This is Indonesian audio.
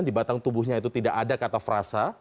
di batang tubuhnya itu tidak ada kata frasa